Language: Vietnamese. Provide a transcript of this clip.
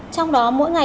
trong đó mỗi ngày